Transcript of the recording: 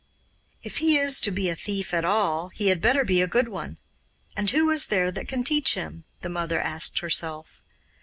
'If he is to be a thief at all, he had better be a good one. And who is there that can teach him?' the mother asked herself.